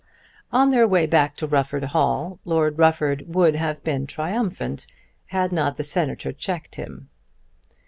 On their way back to Rufford Hall, Lord Rufford would have been triumphant, had not the Senator checked him.